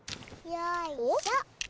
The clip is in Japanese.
よいしょ！